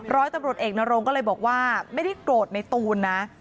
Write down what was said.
ร้อยตำรวจเอกนโรงก็เลยบอกว่าไม่ได้โกรธในตูนนะ